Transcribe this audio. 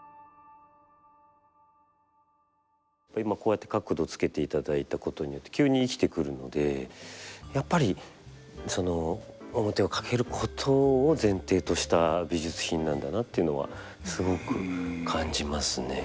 今こうやって角度つけていただいたことによって急に生きてくるのでやっぱり面をかけることを前提とした美術品なんだなっていうのはすごく感じますね。